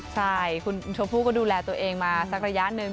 ใช่คุณชมพู่ก็ดูแลตัวเองมาสักระยะหนึ่ง